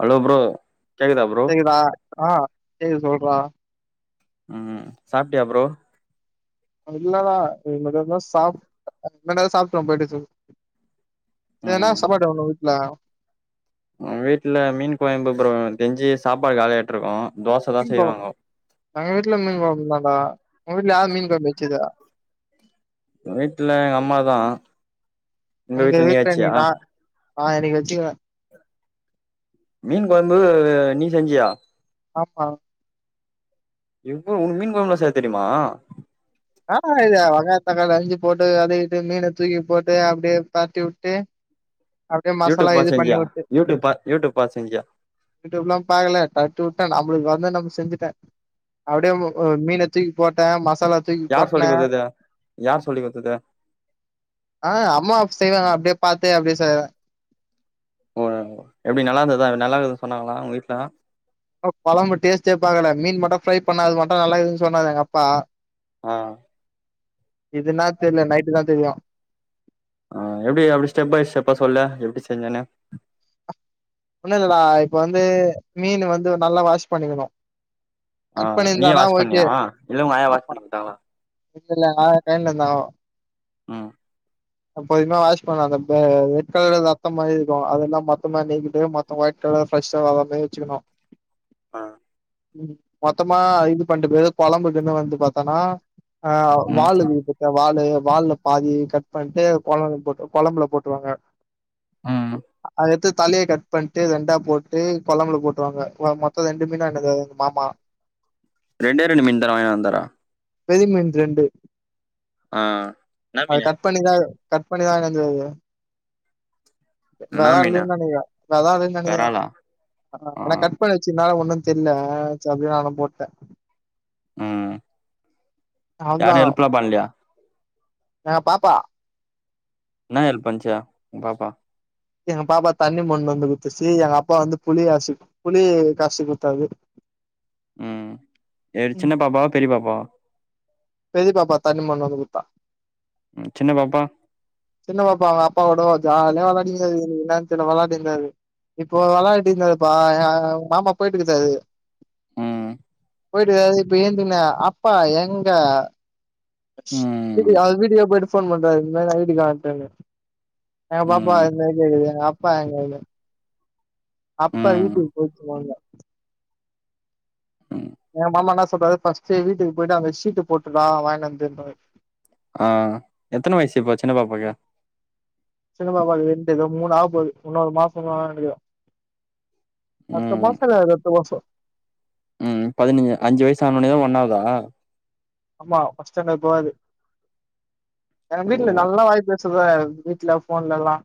Hello bro கேக்குதா ஆ சொல்றா உம் சாப்ட்டியா ப்ரோ இல்லடா ரெண்டுபேருமே சாப் [unintelligible] சேர் என்னா ம் சாப்பாடு ஒங்கவீட்ல வீட்ல மீன் கொழம்பு ப்ரோ தெஞ்சி சாப்பாடு காலியாய்ட்ருக்கு மீன் குழம் எங்க வீட்லயு மீன் கொழம்புதான்டா உங்க வீட்ல யாரு மீன் கொழம்பு வச்சது வீட்ல எங்க அம்மாதா உங்க வீட்டுல நீ வச்சையா ஆ இன்னிக்கு வச்ச மீன் கொழம்பு நீ செஞ்சியா ஆமா எப்ப உன்கு மீன் கொழம்புலா செய்ய தெரிமா என்னடா இது வெங்காயோ தக்காளி அறுஞ்சு போட்டு அது இதுனு மீன தூக்கி போட்டு அப்டியே பெரட்டிவுட்டு அப்டியே மசாலா யூடியூப் இது பாத்து செஞ்சியா பண்ணிவுட் யூடியூப் பா யூடியூப் பாத்து செஞ்சியா யூ யூப்லா பாக்கல தட்டிவுட்டா நம் வந்து நம்ப செஞ்சிட்டே அப்டியே மீன தூக்கி போட்ட மசாலா தூக் யார் கோட்ன சொல்லி குடுத்தது யார் சொல்லி குடுத்தது ஆ அம்மா செய்வாங்க அப்டியே பாத்தே அப்டியே செ ஓ எப்டி நல்லா இருந்ததா அ நல்லா இருக்குதுனு சொன்னாங்களா உங்க வீட்ல கொழம்பு டேஸ்ட்டே பாக்கல மீன் மட்டு ஃப்ரை பண்ண அது மட்டு நல்லாக்குதுன்னு சொன்னாரு எங்க அப்பா ஆ இதுன்னா தெர்ல நைட்டு தா தெரியு ஆ எப்டி அப்டி ஸ்டெப் பை ஸ்டெப்பா சொல்லு எப்டி செஞ்சனு ஒண்ணுலடா இப்ப வந்து மீன் வந்து நல்லா வாஷ் பண்ணிகணு அ நீயே வாஷ் பண்ணியா இல்ல உங்க ஆயா வாஷ் ஆமா பண்ணி குடுத்தாங்களா இல்ல இல்ல எங்க ஆயா [unintelligible] இருந்தாங்கோ ம் எப்பொதுமே வாஷ் பண்ணலா அந்த ரெட்கலர்ல ரத்தம் மாதிரி இருக்கு அதெல்லா மொத்தமா நீக்கிட்டு மொத்தமா ஒயிட் கலர்ல ஃப்ரெஸ்ஷா அந்த மாதிரி வச்சுக்கணு அ ம் மொத்தமா இது பண்டு பே கொழம்புக்குன்னு வந்து பாத்தேனா அ ம் வாலு [unintelligible] வாலு வால்ல பாதி கட் பன்ட்டு கொழம் போட்ரு கொழம்புல போட்ருவாங்க ம் அத எடுத்து தலைய கட் பண்ட்டு ரெண்டா போட்டு கொழம்புல போட்ருவாங்க மொத்தோ ரெண்டு மீனா என்னது மாமா ரெண்டே ரெண்டு மீன்தான வாங்கி வந்தாறா பெரியமீன் ரெண்டு ஆ என்னா அத மீனு கட் பண்ணிதா கட் பண்ணிதா வாங்கினு வந்தாரு என்னா நல்லா மீனு இருந்ததுன் நெனைக்கற நல்லா இல்லைன் நெனைக்கற வெறாலா அ ஆ நா கட் பண்ணியாச்சு நா ஒண்ணு செரில சரி அப்டியே நானு போட்ட ம் யாரு ஹெல்ப்லா பண்லியா அ பாப்பா என்ன ஹெல்ப் பண்ணிச்சு பாப்பா எங்க பாப்பா தண்ணி மோண்ணு வந்து குட்த்துச்சு எங்க அப்பா வந்து புளி அரசு புளி கரசு குடுத்தாரு ம் ஏது சின்ன பாப்பாவா பெரிய பாப்பாவா பெரியப்பாப்பா தண்ணி மோண்ணு வந்து குடு த்தா ம் சின்ன பாப்பா அப்பாவோடவ ஜாலியா வெளையாடி இருந்தாரு என்னான்னு தெரில வெளாடி இருந்தாரு இப்போ வெளையாடிட்டு இருந்தாருப்பா அ வ மாமா போயிட்டுக்காரு ம் போயிட்டுது இப்ப ஏந்தீங்கல்ல அப்பா எங் க ம் வீடியோ அது வீடியோ போயிட்டு ஃபோன் பண்றாரு இந்த மாதிரி ஐ டி கார்ட் தே எங்க பாப்பா ம் எங்க கேக்குது எங்க அப்பா எங்கன்னு அப்பா ம் வீட்டுக்கு போயிச்சு வாங்க ம் எங்க மாமா என்ன சொல்றாரு ஃபர்ஸ்ட்டு வீட்டுக்கு போயிட்டு அந்த ஷீட்டு போட்டுறலாம் வாங்கினு வந்துன்றாரு அ எத்தன வயசு இப்பாச் சின்ன பாப்பாக்கு இதோ மூணு ஆக போகுது இன்னொரு மாசோ [unintelligible] அடுத்த ம் மாசோ இல்ல அதுக்கடுத்த மாசோ ம் பதினஞ்சு அஞ்சு வயசு ஆன ஒட்னேதா ஒண்ணாவதா ஆமா ஃபஸ்டாண்டர்ட் போகாது எங்க ஓ வீட்டுல நல்ல வாய்ப்பு சுத வீட்டுல ஃபோன்லல்லா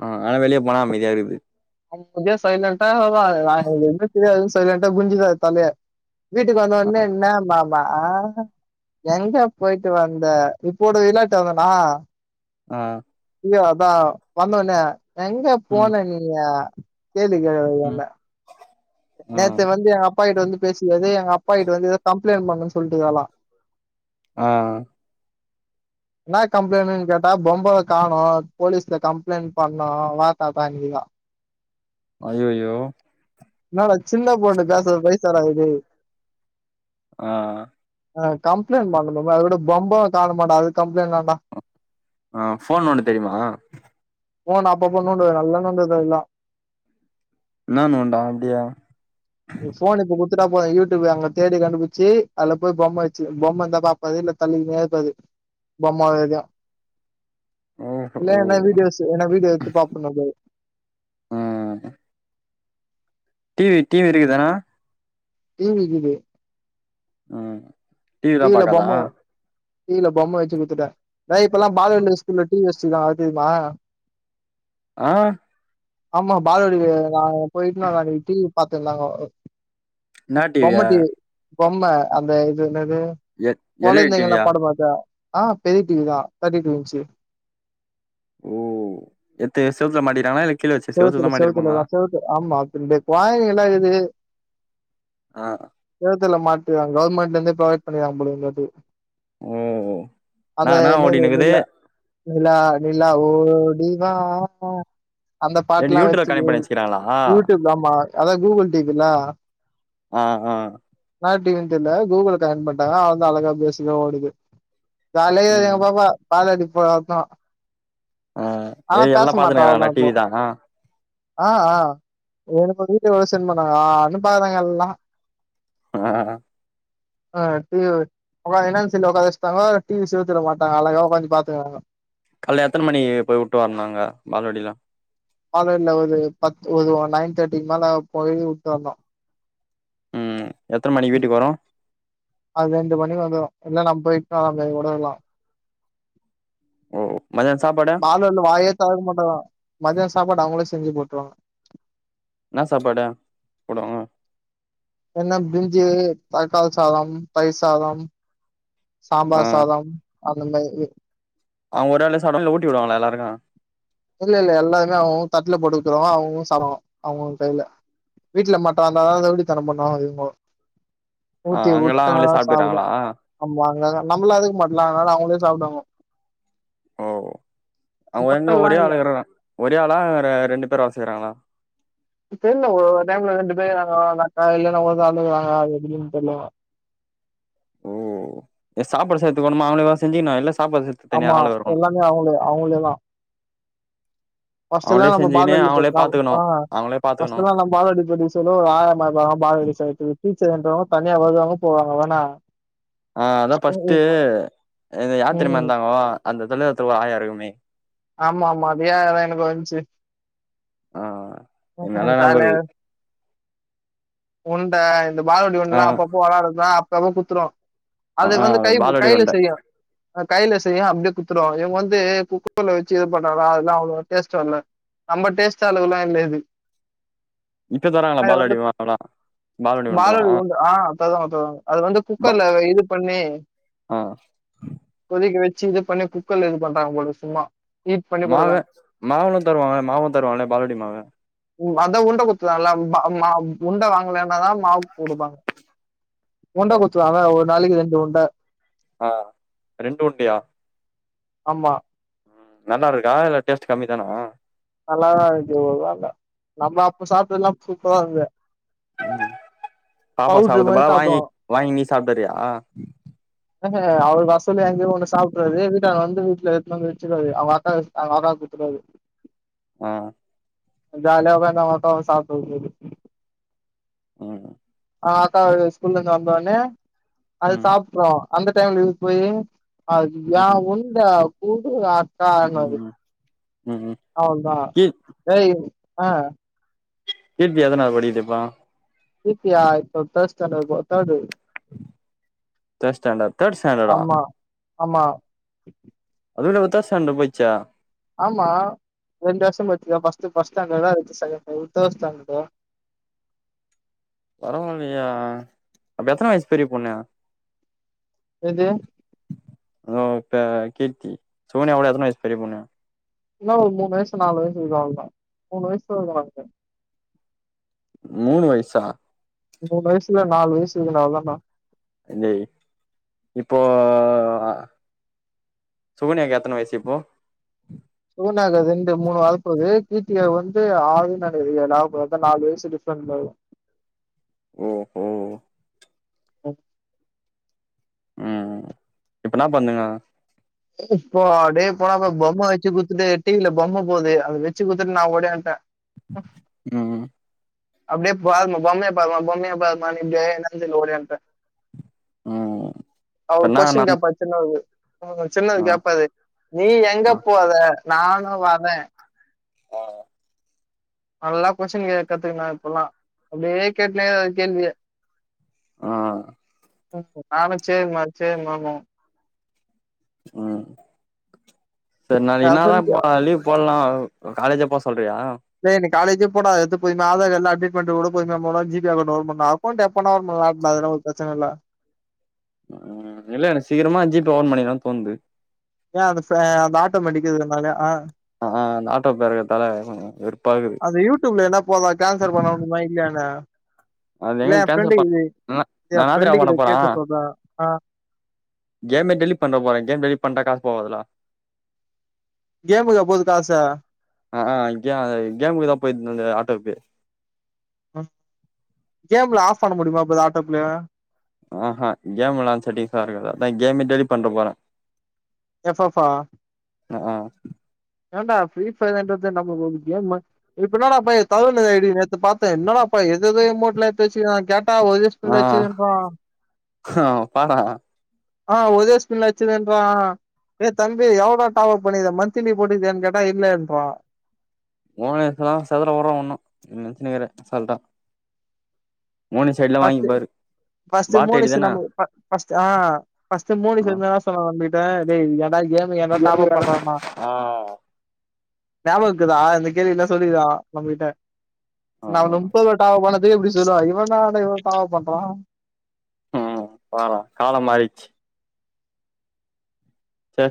ஆ ஆனா வெளியே போனா அமைதியா இருக்குது இங்கையு சைலண்ட்டா அவா [unintelligible] ஒன்னுமே தெரியாது சைலண்ட்டா குனிஞ்சிறுவா தலய வீட்டுக்கு வந்த ஆ ஒட்னே என்ன மா மா ஆ எங்க போயிட்டு வந்த இப்போட வெளாட்டு வந்தனா ஆ ஐயோ அதா வந்த உடனே எங்கப் ம் போன நீ யா கேள்வி கேக்குது ம் என்ன ஆ நேத்து வந்து ஆப் அப்பா கிட்ட வந்து பேசிக்கது எங்க அப்பாகிட்ட வந்து ஏதோ கம்ப்ளைண்ட் பண்ணணுன்னு சொல்லிட்டுருக்காளா ஆ என்ன கம்ப்ளைன்னு கேட்டா பொம்ம காணோ போலீஸ்ல கம்ப்ளைண்ட் பண்ணு வா தாத்தாதுங்க அய்யயோ [unintelligible] சின்ன பொண்ணு பேசுறது பேச டா இது ஆ ஆ கம்ப்லேண்ட் பண்ணனுமா அது விட பொம்ப காணமான்னு டா அது கம்ப்ளைண்ட் வேண்டா ஆ போன் நோண்ட தெரியுமா போன் அப்பப்ப நோண்டுவ நல்ல நோண்டுது எல்லா என்ன நொண்டு அப்டியே கொடுத்து டா போது யூ ட்யூப் அங்க தேடி கண்டுபிச்சு அதுல போய் பொம்ம வச்சு பொம்ம இருந்தா பார்ப்பது இல்ல அத தள்ளிட்டே இருக்கு அது பொம்ம வர இல்ல ஓஹோ என்ன வீடியோஸ் என்ன வீடியோ எத்து பாப்பணு போய் உம் டிவி டிவி இருக்குதானா டிவி இருக்குது உ டிவிலா பாக்காதா டிவில பொம்ம வச்சு குடுத்துட்டே இப்பல்ல பாலண்ட ஸ்கூல் டி வி ஸ் வச்சி தா அது தெரியுமா ஆ ஆமா பாலடி நா போயட்டுன்னா டிவி பாத்து இருந்தாங்கோ என்ன டிவி பொம்ம அந்த இது என்னது எ எல் இ டி கொழந்தைங்க எல்லா டிவியா பாட்டுபாடுது ஆ பெரிய டிவிதா தெட்டி டூ இன்ச் ஓ எத்து செவுத்துல மாட்டிடாங்லா செவுத்துல செவுத்துல செவுத்து ஆமா அப்பின் கொழந்தைங்க எல்லா இருக்குது ஆ செவுத்துல மாட் கவுர்மெட்லேந்து ப்ரொவைட் பண்ணடுரங்க போலருக்கு ஓ என்னா அது என்னா என்னது ஓடினுக்குது நில நிலா நீ நிலா ஓடி வா அந்த பாட்டு ரெண்டு எல்லாம் யூடியூப்ல வச்சு கனெக்ட் பண்ணி வச்சுக்கிறாங்களா யூடியூப்ல்லா அதாவ கூகுள் டிவில ஆ ஆ என்ன டிவி தெரியல கூகுள கனெக்ட்பன்னிட்டாங்க அது வந்து அழகா பேசுது ஓடுது தலைய ம் எப் பாப்பா பால அடி போனதா ஆ ஏ எல்லாம் பாத்துன்னுருக்காகலா அவ்ளதா டி இப்போ வி தா ஆ ஆ எனக்கு வீடியோ வேற சென் பண்ணாங்க அனுப்பாதாதாங்கல்லா ஆ ஆ டிவி உ என்னதெர்ல உட்காவச்சுட்டாங்க டி வி சுவத்துல மாட்டாங்க அழகா உங்காஞ்சு பாத்துக்காங்க காலேல எத்தனை மணி போய் விட்டுவறனுங்க மால் வாடில காலேல ஒரு பத்து ஒரு நைன் தேர்ட்டிக்கு மேல போயி விட்டு வரனும் உம் எத்தன மணிக்கு வீட்டுக்கு வரும் அது ரெண்டு மணிக்கு வந்துரும் இல்ல நம்ம போயிட்டு இட்ன்னு வந்து விடலா ஓ மதியானோ சாப்பாடு மால் வாரில வாயே தொறக்க மாட்டாரா மதியம் ஸ்கூ சாப்பாடு அவங்களே செஞ்சு போட்றுவாங்க என்ன சாப்பாடு போடுவாங்க என்ன பிரிஞ்சு தக்காளி சாதம் தயிர் சாதம் ஆ சாம்பார் சாதம் அது அந்த இ அவங்க ஒரு ஆளே சாப்பிடுவாங்கள ஊட்டி விடுவாங்களா எல்லாருக்கும் இல்ல இல்ல எல்லாருமே அவ் அவங்க தட்டுல போட்டுகொடுத்துருவாங்க அவ் அவங்க சாப்டுவாங்க அவ் அவங்க கையில வீட்டுல மட்டும் வந்த தா மத்தபடி தனம் பன்னுவாங்க இவ்ங்கோ ஆ ஊட்டி அங்கெல்லா அவங்களே உட்டாதா சாப்புடுவா சாப்ட்டுறாங்களா ஆமா அங்க நம்மல்லலையு பண்ணலா ஆனா அவங்களே சாப்புடுவாங்க ஓ அவங் என் ஒரே இல்ல ஆளு ஒரே ஆளா ரெண்டு பேர் வேலசெய்றாங்களா தெரியல ஒவ்வரு டைம்ல ரெண் செய்றாங்க நா இல்லேன்னா உக்கந்துக்குறாங்க எப்படின்னு தெரில ஓ எ சாப்படு செய்றதுக்கோணுமா அவங்களே செஞ்சீங்கன்னும் எல்ல ஆமா எல்லாமே அவுங்களே அவுங்களேதா பஸ்ட்டெல்லா அவங்களே நம்ம செஞ்சுக்கினு பால்வாடில போய் அவங்களே பாத்துக்கணு சாப்ட்டா அவங்களே பாத்துக்கணு பஸ்ட்டெல்லா நம்ம பால்வாடி போயிட்டு சொல்ல ஒரு ஆயம்மா இருக்கு பால்வாடி செய்றதுக்கு டீச்சர்ன்றவங்க தனியா வருவாங்க போவாங்க அவ்னா ஆ அதா ஃபஸ்ட்டு இ யாரு தெரியுமா ம் இருந்தாங்கோ அந்த எடத்துல ஒருத்தவ ஆயாயிருக்குமே ஆமாமா அதே ஆயாதா எனக்கு வந்ச்சு ஆ எனக்கு நல்லா ஞாபகோ இருக்கு [unintelligible] உண்ட இந்த பால்வாடி ஆ [unintelligible] அப்பப்போ வெளாடறதா செம குத்துரோ அது ஆ வந்து கை பால்வாடி கைல உருண்ட சரியா கைல செய்யு அப்டியே குடுத்துருவாங்க இவுங்க வந்து குக்கர்ல வெச்சு எதோ பண்றாங்கள்ள அதெல்லா அவ்ளோ டேஸ்டு வர்ல நம்ம டேஸ்ட் அளவுல இல்ல இது இப்ப தராங்களா ஆனா இது வந்து பால்வாடி [inaudible] பால்வண்டி உண்டல்லா பால்வாடி உருண்ட ஆ தருவாங்க தருவாங்க அது வந்து குக்கர்ல இது பண்ணீ ஆ தூக்கி வெச்சு இது பண்ணி குக்கர்ல இது பண்றாங்க போல சும்மா ஹீட் பண்ணி குடுக்குறாங்க மாவே மாவுனு தருவாங்க மாவு தருவாங்கள்ள பால்வாடி மாவு ம் அதா உருண்ட குத்துராங்கல்ல அவ்வா அவ் ம் மா உண்ட வாங்கலனாதா மாவு குடுப்பாங்க உண்ட குத்துருவாங்க ஒரு நாளைக்கு ரெண்டு உருண்ட ஆ ரெண்டு உருண்டயா ஆமா ம் நல்லாருக்குதா இல்ல டேஸ்ட் கம்மிதானா நல்லாதா இருக்கு ஒரு இதா இல்ல நம்ம அப்ப சாப்ட்டதெல்லா சூப்பராருந்த பாப்பா சாப்பத்த மாதிரி பா வாங்கி சாப்பிடுவோம் வாங்கி நீ சாப்பிட்டறியா ம்ஹு அவ வசல எங்கியு ஒண்ணு சாப்ட்றது எங்க வீட்டு ஆளுங்க வந்து வீட்ல எடுத்துனு வந்து வெச்சிறது அவுங்க ஆத்தா அவுங்க ஆத்தாக்கு குடுத்துறது ஆ ஜாலியா ஒக்காந்து அவங் ஆத்தா சாப்பிடருக்கு போயிரு ம் ஆ அக்கா இது ஸ்கூலந்து வந்தவொன்னயெ அது ம் சாப்ட்றோ அந்த டைம்ல இது போயி அது எ ம் உந்த குடு அ தானது ம் ம் ம் அவள்தா கீ ஏய் ஆ கீர்த்தி எதனாவ்து படிக்குது இப்போ கீர்த்தியா இப்ப தேர்ஸ் ஸ்டேண்ட்டர்டு போ தேர்டு தேர்ட் ஸ்டேண்ட்டடு தேர்ட் ஸ்டேண்டடா ஆமா ஆமா அதுல வித்தாச ஸ்டேண்டடு போய்ச்சா ஆமா ரெண்டு வருஷம் போச்ச பஸ்டு பஸ்ட் ஸ்டேண்டா இருச்ச செகண்ட் தேர்டு ஸ்டாண்டடு பரவால்லையா அப்ப எத்தன வயசு பெரிய பொண்ணு எது இதோ இப்ப கீர்த்தி சோனியாவோட எத்தன வயிசு பெரிய பொண்ணு என்னா ஒரு மூணு வயிசு நாலு வயிசு இருக்கும் அவ்வளதா மூணு வயசு இருக்குன் நினைக்கற மூணு வயிசா மூணு வயசுல இல நாலு வயசுக்குண்டா அவுளதாண்டா டேய் இப்போ ஹ சுகன்யாக்கு எத்தன வயிசு இப்போ ஒன்னு ஆகாது ரெண்டு மூணு ஆக போது கீர்த்திய வந்து ஆறு நடக்து நா பாத் நாலு வயசு டிஃப்ரெண்ட்ல வரும் ஓ ஓ ஹ்ம் உம் இப்பனா பண்ணுங்க இப்போ அப்டியே போனாப்ப பொம்ம வச்சு குத்துட்டு டிவில பொம்ம போது அத வச்சு குத்துட்டு நா ஓடியான்ட்ட ம் ம் அப்டியே பார்மா பொம்மய பார்மா பொம்மய பார்மான்னிட்டே நனஞ்சின் ஒடியான்டே. ம் இப்ப அவுர் என்னா ந கொஸ்டின் கேப்பார் இத்தன் நாள் எங்க ஆ. சின்னது கேப்பாரு நீ எங்க ஆ போற நானு வரே. நல்லா கொஸ்டின் கேக்கத்துக்குனா இப்பல்லா அப்டே கேட்னேவா கேள்வியே ஆ ம் ஆமா செர்மா செர்மா மா. ம் செர் நா என்னாதா ப லீவ் போலா. ஆ காலேஜ் எப்ப வர்சொல் ப்ரியா டேய் நீ காலேஜே போட அ எத்து போயி இன்மே ஆதார் எல்ல அப்டேட்டுமெண்ட்டுக் கூட பொறுமையா போலா ஜிபே அக்கவுண்ட் ஒபன் பண்லா அக்கவுண்ட் எப்பனா ஒபன் பண்லா அத் அதுலா ஒரு பிரச்சன இல்ல ஆ இல்ல எனக் சீக்கிரமா ஜீப்பே ஒபன் பண்ணிருவேனு தோனுது ஏ அந்த ஃபே அந்த ஆட்டோ மேட்டிக்குதுனாலயா ஆ. ஆ அந்த ஆட்டோ பேருக்கத்தால கொஞ்ச வெறுப்பாகுது. அது யூடியூப்ல என்ன போதா கேன்சல் பண்ண முடியுமா இல்லையானே அது இல்ல எங்க என் கேன்சல் ஃப்ரெண்டு இது பண்ண என் நானாது டா ஃப்ரெண்டு ஒன்ன கிட்ட போனா கேட்டு சொல்றேன் என்ன கேலி பண்ற ஒரு கேம் ரெடி பண்றா காஸ் போவாதுலா கேமுக்கா போது காசு ஆஹ் ஆஹ கே கேம் குத போய்றது ஆட்டோக்கு கேம்ல ஆஃப் பண்ண முடியுமா இப்ப இத ஆட்டோப்ல ஆஹா கேம் விளான் செட்டிங்சா இருக்கு அதா கேமமே டெலிட் பண்ற போறே எஃப்ஃபா ஆஹ ஆஹ் ஏன்டா ஃப்ரீபர்ன்றது நம்ம ஒரு கேம் மார் இப்ப என்னடா பய தவழ்மை ஐ டி நேத்து பாத்தே என்னடாப்பா எதுஎதோ ம்மொட்டல எத்து வச்சுங்னா நா கேட் ப்பா ஒரு ஃபுல்ல வச்சுக்கணுப்பா அஹ் அப்பாடா ஆ ஒதே ஸ்பின்ல வச்சுதுன்றா ஏ தம்பி எவ்வளோடா டாவப் பண்ணிருக்க மந்த்தலி போட்ருக்கியானு கேட்டா இல்லலைன்றா மோனேஷ்ல சதுரோ வரு ஒண்ணு நீ நென்ச்சினுக்றே அசால்ட்டா மோனி சைட்ல பத்து வாங்கிப்பாரு ஃபஸ்டு பாட் ஐடி மோனிஷ் தான என்ன அ ஃபஸ்டு ஆஆ ஃபஸ்டு மோனிஷ் ஆ என்னதான் சொன்னா [unintelligible] ட டேய் இயாக் நாளைக்கி ஏமி என்ன ஏது டாப்அப் வேணா பண்றான்னா ஆ ஞாபக இருக்குதா இந்த கேள்வில்லா சொல்லிருக்கா நம்மகிட்ட ஆ நா முப்பதெட்டா போனே இத எப்டி சொல்லுவா இவந்தா என்ன இவ்ளோ தாவாப் பண்றா ம் தாரா காலம் மாறிச்சி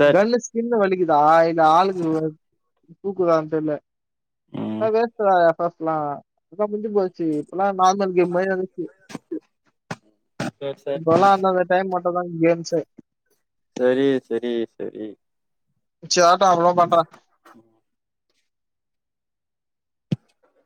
சேர் கல்லு ஸ்கின் வலிக்குதா இல்ல ஆளுக்கு பூக்குதான் தெரியல்ல ம் ஆ வேச்டா ஆ சஸ்லா முஞ்சு போச்சு இப்பல்லாம் நார்மல் கேம் மாதிரி வந்திருச்சு சேர் சேர் இப்பல்லாம் அந்த அந்த டைம் மட்டும் தான் கேம்ஸ் ச [unintelligible] சரி சரி சரி சார் அவ்வளோ பண்றான்